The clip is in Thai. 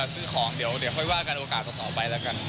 ซื้อของเดี๋ยวค่อยว่ากันโอกาสต่อไปแล้วกัน